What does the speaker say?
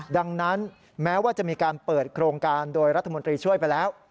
ดังนั้นแม้ว่าจะมีการเปิดโครงการโดยรัฐมนตรีช่วยไปแล้ว